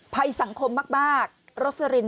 ภัยสังคมมากโรสลิน